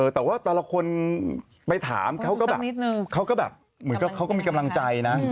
แต่ว่าแต่ละคนไปถามเขาก็แบบเขาก็มีกำลังใจนะ